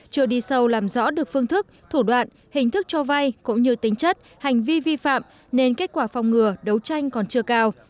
chưa đi sâu làm rõ được phương thức thủ đoạn hình thức cho vai cũng như tính chất hành vi vi phạm nên kết quả phòng ngừa đấu tranh còn chưa cao